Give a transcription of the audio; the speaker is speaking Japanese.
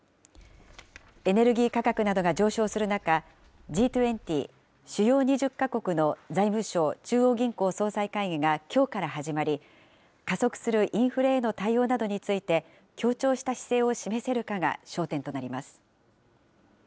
エネルギー価格などが上昇する中、Ｇ２０・主要２０か国の財務相・中央銀行総裁会議がきょうから始まり、加速するインフレへの対応などについて協調した姿勢を示せるかが焦点となります。